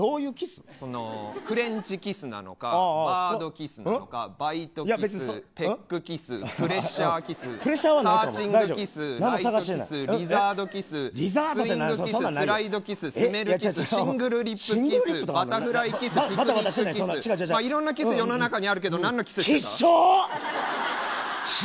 フレンチキスなのかハードキスなのかバードキス、ベックキスプレッシャーキスサーチングキスリザードキススウィングキススライドキス、スメルキスシングルリップキスバタフライキスいろんなキス世の中にあるけどきしょい。